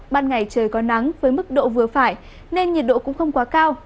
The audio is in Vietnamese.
ban ngày trời có nắng với mức độ vừa phải nên nhiệt độ cũng không quá cao